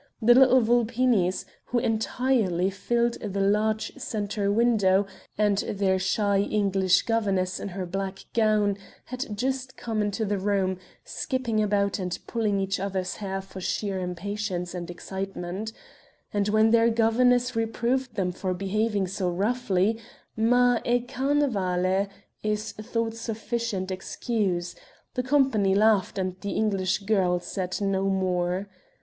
The little Vulpinis, who entirely filled the large centre window, and their shy English governess in her black gown, had just come into the room, skipping about and pulling each other's hair for sheer impatience and excitement; and when their governess reproved them for behaving so roughly "ma è carnevale" is thought sufficient excuse; the company laughed and the English girl said no more.